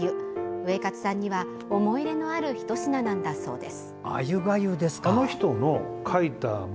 ウエカツさんには思い入れのあるひと品なんだそうです。